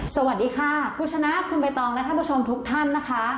สวัสดีค่ะคุณชนะคุณใบตองและท่านผู้ชมทุกท่านนะคะ